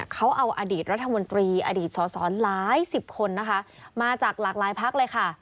เขาเอาอดีตรัฐมนตรีอดีตสอสอหลายสิบคนนะคะมาจากหลากหลายพักเลยค่ะ